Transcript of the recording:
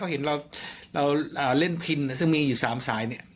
เขาเห็นเราเล่นครีมซึ่งมีอยู่สามสายเนี่ย